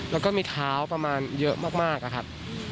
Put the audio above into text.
แล้วก็มีเท้าประมาณเยอะมากนะครับ